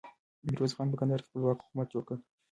ميرويس خان په کندهار کې خپلواک حکومت جوړ کړ.